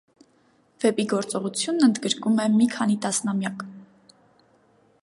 Վեպի գործողությունն ընդգրկում է մի քանի տասնամյակ։